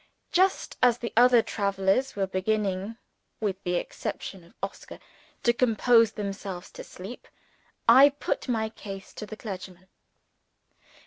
Just as the other travelers were beginning (with the exception of Oscar) to compose themselves to sleep, I put my case to the clergyman.